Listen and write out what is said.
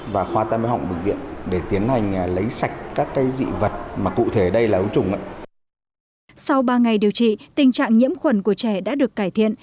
sau ba ngày điều trị tình trạng nhiễm khuẩn của trẻ đã được cải thiện